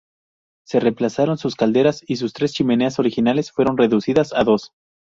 Se reemplazaron sus calderas, y sus tres chimeneas originales, fueron reducidas a dos.